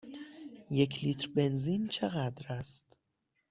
یک لیتر بنزین چقدر است؟